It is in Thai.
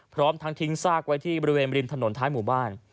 พร้อมทั้งทิ้งซากไว้ที่บริเวณริมถนนท้ายหมู่บ้าน